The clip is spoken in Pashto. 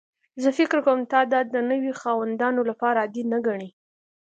زه فکر کوم ته دا د نوي خاوندانو لپاره عادي نه ګڼې